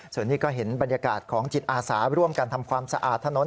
ส่วนนี้ก็เห็นบรรยากาศของจิตอาสาร่วมกันทำความสะอาดถนน